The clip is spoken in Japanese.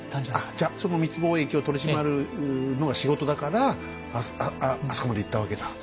じゃその密貿易を取り締まるのが仕事だからあそこまで行ったわけだ。